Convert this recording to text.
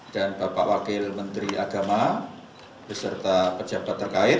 dan bapak wakil menteri agama beserta pejabat terkait